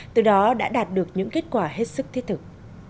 từ đó đã đạt được những kết quả hết sức thiết thực